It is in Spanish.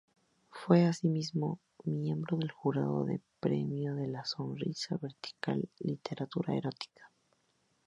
Fue asimismo miembro del jurado del Premio La Sonrisa Vertical de literatura erótica.